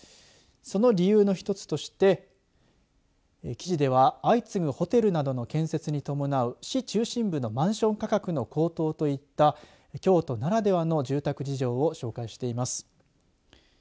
その理由の一つとして記事では相次ぐホテルなどの建設に伴う市中心部のマンション価格の高騰といった京都ならではの住宅事情を紹介しています。